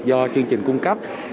do chương trình cung cấp